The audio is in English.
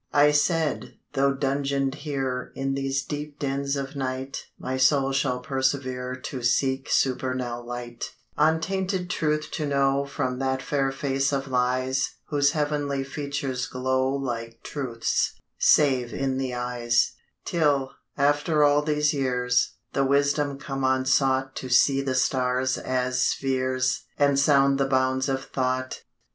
I said, 'Tho' dungeon'd here In these deep dens of night, My soul shall persevere To seek supernal light; Untainted Truth to know From that fair face of Lies Whose heav'nly features glow Like Truth's, save in the eyes; Till, after all these years, The wisdom come unsought To see the stars as spheres And sound the bounds of thought.